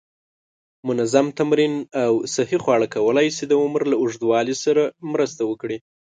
منظم تمرین او صحی خواړه کولی شي د عمر له اوږدوالي سره مرسته وکړي.